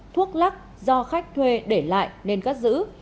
thuốc lắc do khách thuê để lại nên cất giữ